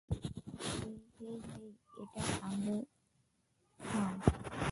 হেই, hey, hey, এটা সামলে নাও।